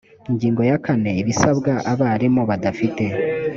ingingo ya kane ibisabwa abarimu badafite